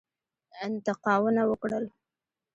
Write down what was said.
انتقاونه وکړل.